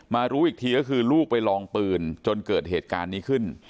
รู้อีกทีก็คือลูกไปลองปืนจนเกิดเหตุการณ์นี้ขึ้น